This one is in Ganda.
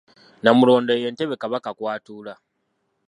Nnamulondo ye ntebe Kabaka kw'atuula.